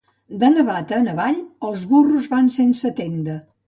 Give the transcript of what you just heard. De Navata en avall, els burros van sense tenda.